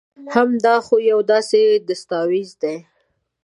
هم دا خو يو داسي دستاويز دي